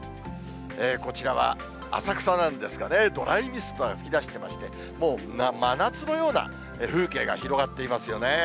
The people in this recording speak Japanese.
こちらは浅草なんですがね、ドライミストが噴き出してまして、もう真夏のような風景が広がっていますよね。